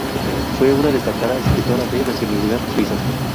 Fue una destacada escritora de nacionalidad suiza.